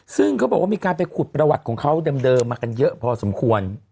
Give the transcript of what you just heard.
ซึ่งเขาบอกว่ามีการไปขุดประวัติของเขาเดิมมากันเยอะพอสมควร